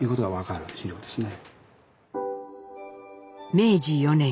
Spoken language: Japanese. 明治４年。